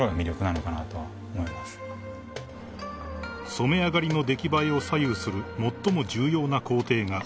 ［染め上がりの出来栄えを左右する最も重要な工程が］